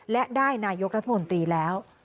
และได้นายกรัฐมนตรีแล้ว